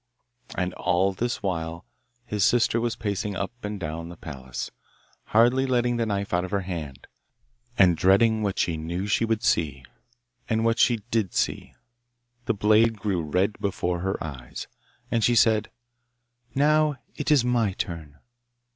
And all this while his sister was pacing up and down the palace, hardly letting the knife out of her hand, and dreading what she knew she would see, and what she did see. The blade grew red before her eyes, and she said, 'Now it is my turn.